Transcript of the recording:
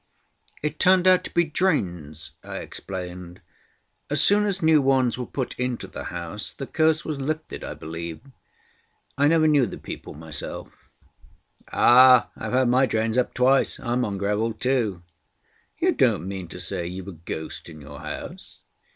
"It turned out to be drains," I explained. "As soon as new ones were put into the house the Curse was lifted, I believe. I never knew the people myself." "Ah! I've had my drains up twice; I'm on gravel too." "You don't mean to say you've a ghost in your house?